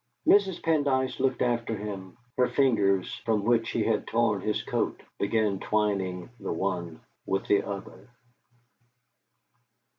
Mrs. Pendyce looked after him; her fingers, from which he had torn his coat, began twining the one with the other.